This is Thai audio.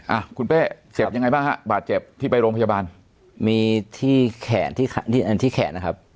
อ่ะคุณเป้เจ็บยังไงบ้างฮะบาดเจ็บที่ไปโรงพยาบาลมีที่แขนที่แขนที่อันที่แขนนะครับ